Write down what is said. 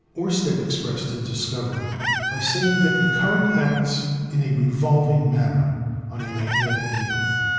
Oersted expressed his discovery by saying that a current acts "in a revolving manner" on a magnetic needle.